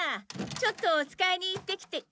ちょっとおつかいに行ってきて。